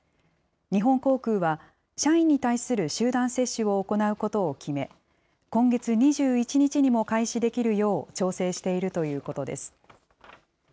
日本航空は、社員に対する集団接種を行うことを決め、今月２１日にも開始できるよう調整しているということです。